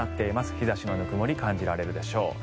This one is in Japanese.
日差しのぬくもり感じられるでしょう。